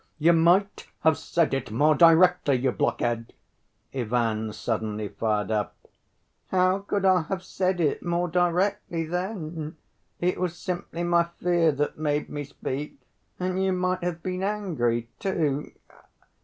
"You might have said it more directly, you blockhead!" Ivan suddenly fired up. "How could I have said it more directly then? It was simply my fear that made me speak, and you might have been angry, too.